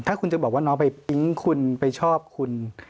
ถ้าคุณจะบอกว่าน้องไปปิ๊งคุณไปชอบคุณ